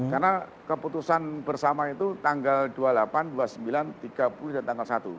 karena keputusan bersama itu tanggal dua puluh delapan dua puluh sembilan tiga puluh dan tanggal satu